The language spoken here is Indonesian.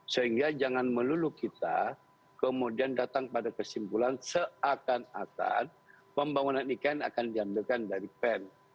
sehingga jangan melulu kita kemudian datang pada kesimpulan seakan akan pembangunan ikn akan diambilkan dari pen